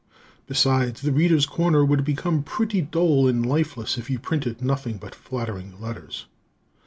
Besides, "The Readers' Corner" would become pretty dull and lifeless if you printed nothing but flattering letters.